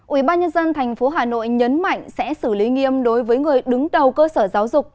ủy ban nhân dân tp hà nội nhấn mạnh sẽ xử lý nghiêm đối với người đứng đầu cơ sở giáo dục